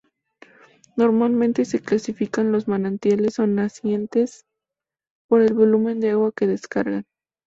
Normalmente se clasifican los manantiales o nacientes por el volumen de agua que descargan.